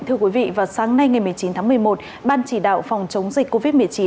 thưa quý vị vào sáng nay ngày một mươi chín tháng một mươi một ban chỉ đạo phòng chống dịch covid một mươi chín